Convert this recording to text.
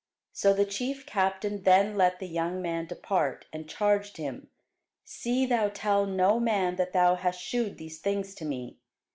So the chief captain then let the young man depart, and charged him, See thou tell no man that thou hast shewed these things to me.